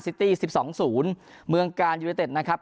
ซิตี้สิบสองศูนย์เมืองกาลยูเนตเต็ดนะครับ